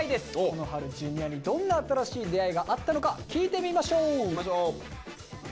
この春Ｊｒ．にどんな新しい出会いがあったのか聞いてみましょう！